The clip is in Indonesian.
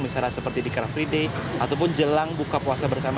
misalnya seperti di car free day ataupun jelang buka puasa bersama